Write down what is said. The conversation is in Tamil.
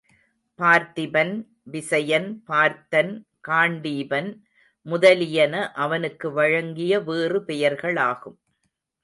பார்த்திபன், விசயன், பார்த்தன், காண்டீபன் முதலியன அவனுக்கு வழங்கிய வேறு பெயர்களாகும்.